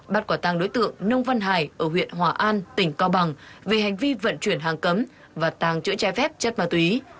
bắt quả tăng đối tượng nông văn hải ở huyện hòa an tỉnh cao bằng về hành vi vận chuyển hàng cấm và tàng trữ trái phép chất ma túy